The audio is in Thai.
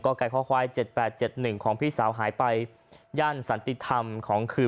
ก็กลายข้อคว้ายเจ็ดแปดเจ็ดหนึ่งของพี่สาวหายไปย่านสันติธรรมของคืน